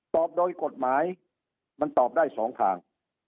โดยกฎหมายมันตอบได้สองทาง